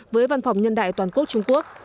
với văn phòng nhân đại toàn quốc trung quốc